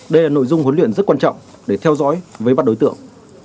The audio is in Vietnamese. đây là nội dung huấn luyện rất quan trọng để theo dõi với bắt đối tượng